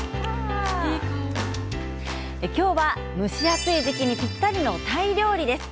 今日は蒸し暑い時期にぴったりのタイ料理です。